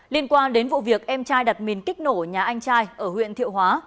liên quan đến vụ việc em trai đặt mìn kích nổ nhà anh trai ở huyện thiệu hóa